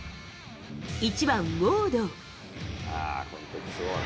１番ウォード。